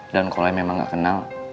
dan kalau yang memang gak kenal